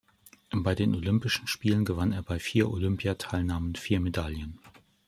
Bei Olympischen Spielen gewann er bei vier Olympiateilnahmen vier Medaillen.